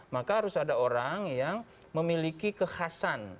maka harus ada orang yang memiliki kekhasan